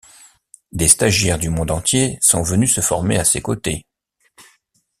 Des stagiaires du monde entier sont venues se former à ses côtés.